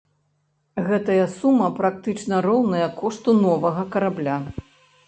Гэтая сума практычна роўная кошту новага карабля.